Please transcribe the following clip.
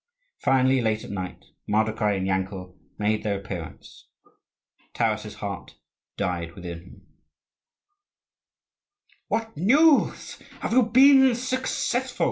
Finally, late at night, Mardokhai and Yankel made their appearance. Taras's heart died within him. "What news? have you been successful?"